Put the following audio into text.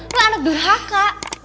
lo anak durhaka